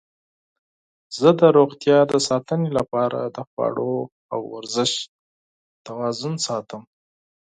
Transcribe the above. زه د روغتیا د ساتنې لپاره د خواراک او ورزش توازن ساتم.